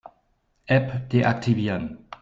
App deaktivieren.